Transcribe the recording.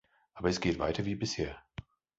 Aber es geht weiter wie bisher.